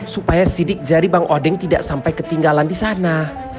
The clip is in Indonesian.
supaya sidik jari bang odeng tidak sampai ketinggalan di sana